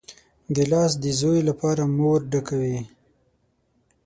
ګیلاس د زوی لپاره مور ډکوي.